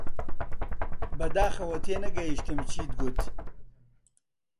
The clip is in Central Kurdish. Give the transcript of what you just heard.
بەداخەوە، تێنەگەیشتم چیت گوت.